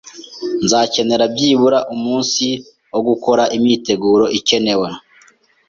Nzakenera byibura umunsi wo gukora imyiteguro ikenewe.